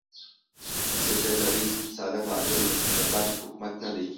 د سیاسي آزادۍ ساده تعبیر مستبد حکومت نه دی.